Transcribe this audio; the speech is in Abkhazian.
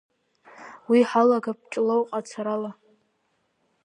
Уи ҳалагап Ҷлоуҟа ацарала.